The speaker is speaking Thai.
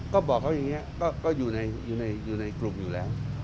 ก็บอกเขาอย่างนี้ก็อยู่ในกลุ่มอยู่แล้ว